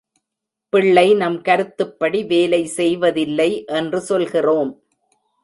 பிள்ளை நம் கருத்துப்படி வேலை செய்வதில்லை என்று சொல்கிறோம்.